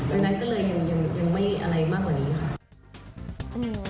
ดังนั้นก็เลยยังไม่อะไรมากกว่านี้ค่ะ